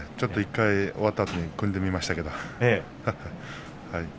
１回終わったあとに組んでみましたけれども。